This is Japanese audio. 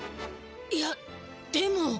いやでも。